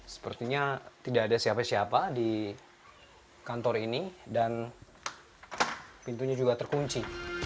sepertinya tidak ada siapa siapa di kantor ini dan pintunya juga terkunci